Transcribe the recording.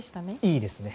いいですね。